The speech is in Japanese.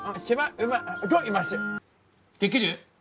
できる？